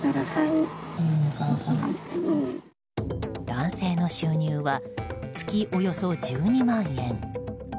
男性の収入は月およそ１２万円。